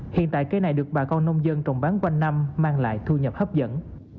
hiện tại cây này được bà con nông dân trồng bán quanh năm mang lại thu nhập hấp dẫn